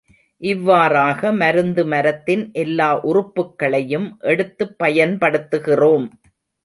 இவ்வாறாக மருந்து மரத்தின் எல்லா உறுப்புக்களையும் எடுத்துப் பயன் படுத்துகிறோம்.